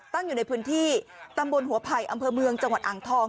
อยู่ในพื้นที่ตำบลหัวไผ่อำเภอเมืองจังหวัดอ่างทอง